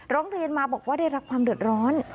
ร้องเรียนมาบอกว่าได้รับความเดือดร้อน